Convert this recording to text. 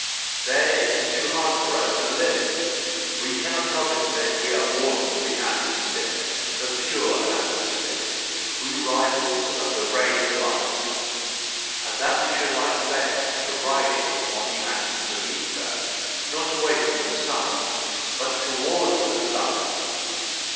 There it is too hard for us to live! we cannot help it that we are born for the atmosphere, the pure atmosphere, we rivals of the ray of light; and that we should like best to ride like it on the atoms of ether, not away from the sun, but towards the sun!